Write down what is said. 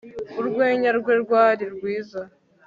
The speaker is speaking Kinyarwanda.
Urwenya rwe rwari rwiza